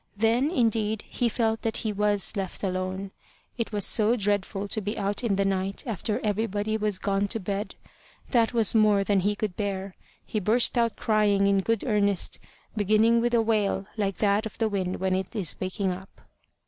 Then, indeed, he felt that he was left alone. It was so dreadful to be out in the night after everybody was gone to bed! That was more than he could bear. He burst out crying in good earnest, beginning with a wail like that of the wind when it is waking up.